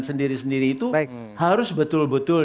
sendiri sendiri itu harus betul betul